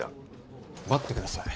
待ってください。